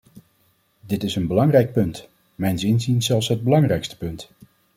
Dit is een belangrijk punt, mijns inziens zelfs het belangrijkste punt.